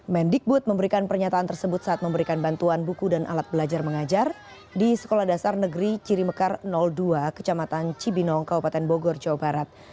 mendikbud memberikan pernyataan tersebut saat memberikan bantuan buku dan alat belajar mengajar di sekolah dasar negeri cirimekar dua kecamatan cibinong kabupaten bogor jawa barat